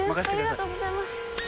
ありがとうございます。